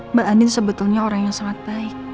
mbak andi sebetulnya orang yang sangat baik